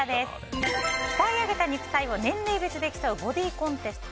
鍛え上げた肉体を年齢別で競うボディーコンテスト